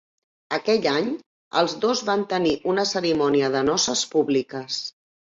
Aquell any, els dos van tenir una cerimònia de noces públiques.